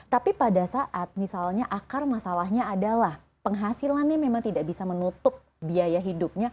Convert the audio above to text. tapi pada saat misalnya akar masalahnya adalah penghasilannya memang tidak bisa menutup biaya hidupnya